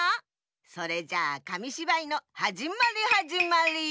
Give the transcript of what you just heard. それじゃあかみしばいのはじまりはじまり！